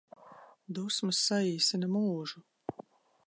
Dusmas saīsina mūžu